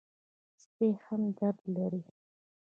سپي هم درد لري.